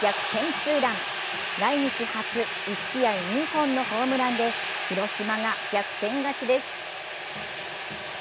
ツーラン来日初、１試合２本のホームランで広島が逆転勝ちです。